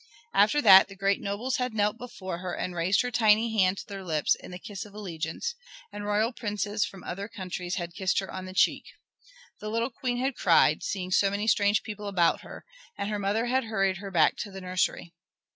After that the great nobles had knelt before her and raised her tiny hand to their lips in the kiss of allegiance, and royal princes from other countries had kissed her on the cheek. The little Queen had cried, seeing so many strange people about her, and her mother had hurried her back to the nursery.